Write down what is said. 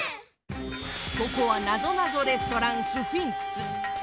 ここはなぞなぞレストランスフィンクス。